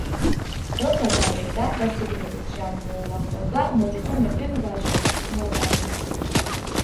როცა დაბერდა და სიკვდილის ჟამი მოუახლოვდა, მოიხმო მეფემ ვაჟები, მოატანინა